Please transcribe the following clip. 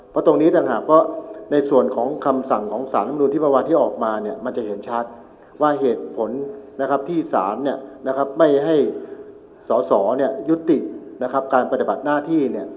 เพราะตรงนี้ต่างหากเพราะในส่วนของคำสั่งของสารธรรมนุนที่เมื่อวานที่ออกมาเนี่ยมันจะเห็นชัดว่าเหตุผลนะครับที่สารไม่ให้สอสอยุตินะครับการปฏิบัติหน้าที่